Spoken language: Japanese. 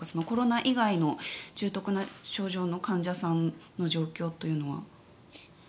コロナ以外の重篤な症状の患者さんの状況というのは。